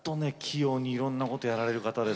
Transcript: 器用にいろんなことをやられる方ですよ